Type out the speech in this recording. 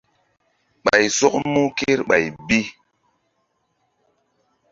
Ɓay sɔk mu kerɓay bi.